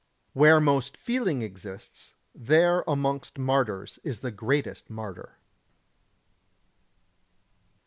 91. Where most feeling exists, there amongst martyrs is the greatest martyr.